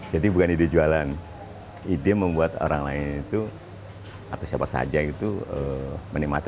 jadi bukan ide jualan ide membuat orang lain itu atau siapa saja itu menikmati